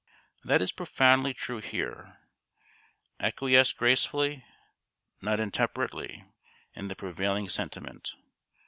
That is profoundly true here. Acquiesce gracefully, not intemperately, in the prevailing sentiment.